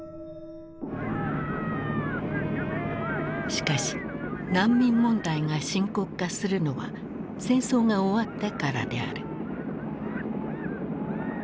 しかし難民問題が深刻化するのは戦争が終わってからである。